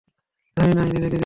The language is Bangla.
জানি না, উনি রেগে গেছেন।